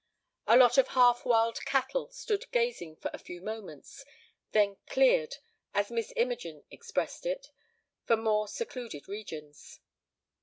A lot of half wild cattle stood gazing for a few moments, then "cleared," as Miss Imogen expressed it, for more secluded regions.